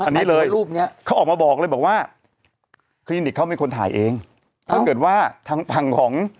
ปันเลยปฐานประบอบเลยบอกว่าคลคมติดเข้ามีคนถ่ายเองถ้าเกิดว่าทางทางของ